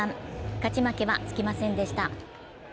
勝ち負けはつきませんでした。